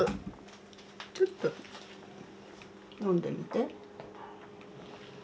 ちょっと飲んでみて。